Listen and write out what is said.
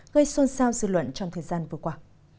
gây xôn xao dư luận trong thời gian vừa qua